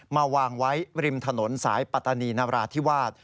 มาวางไว้ริมถนนสายปัตตานีนราธิวาส